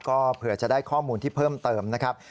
ก็เผื่อจะได้ข้อมูลที่เพิ่มเติมนะครับ